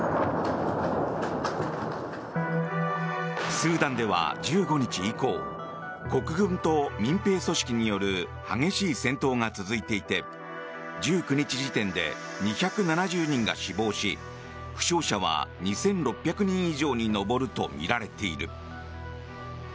スーダンでは、１５日以降国軍と民兵組織による激しい戦闘が続いていて１９日時点で２７０人が死亡し負傷者は２６００人以上に上るとみられている。